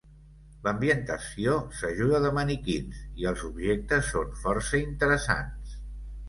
L'ambientació s'ajuda de maniquins, i els objectes són força interessants.